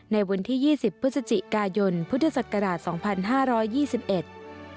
ในวันที่๒๐พฤศจิกายนพุทธศักราช๒๕๒๑